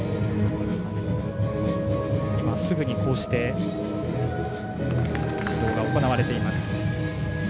今、すぐにこうして指導が行われています。